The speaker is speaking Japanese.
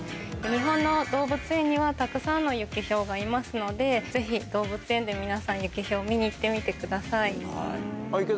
日本の動物園にはたくさんのユキヒョウがいますので、ぜひ動物園で皆さん、ユキヒョウを見に行ってみてください。